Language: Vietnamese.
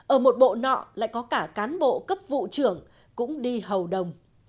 ở một bộ nọ lại có cả cán bộ cấp vụ trưởng cũng đi hầu đồng